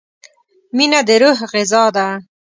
مینه د روح غذا ده.